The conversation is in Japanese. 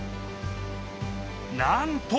なんと！